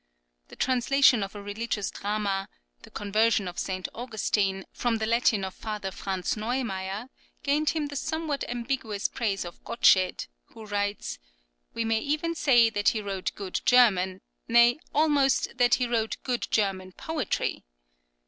The translation of a religious drama, "The Conversion of St. Augustine" from the Latin of Father Franz Neumayer, gained him the somewhat ambiguous praise of Gottsched, who writes: "We may even say that he wrote good German, nay, almost that he wrote good German poetry."